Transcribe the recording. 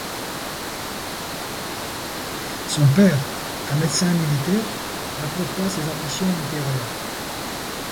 Son père, un médecin militaire, n'approuve pas ses ambitions littéraires.